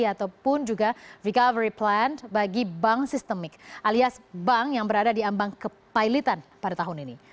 ataupun juga recovery plan bagi bank sistemik alias bank yang berada di ambang kepilitan pada tahun ini